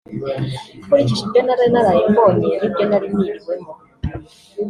nkurikije ibyo nari naraye mbonye n’ibyo nari niriwemo